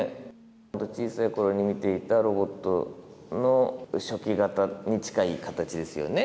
僕らが小さいころに見ていたロボットの初期型に近い形ですよね。